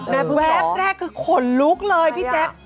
แม่พึ่งแวบแรกคือขนลุกเลยพี่แจ๊บ